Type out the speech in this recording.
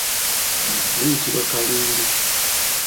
Liyitibwa kalindi.